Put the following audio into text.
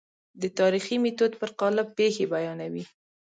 د تاریخي میتود پر قالب پېښې بیانوي.